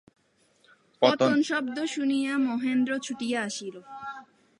পতনশব্দ শুনিয়া মহেন্দ্র ছুটিয়া আসিল।